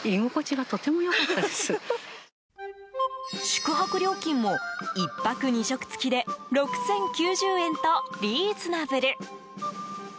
宿泊料金も１泊２食付きで６０９０円とリーズナブル。